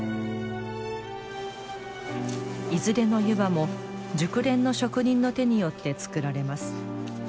いずれの湯葉も熟練の職人の手によって作られます。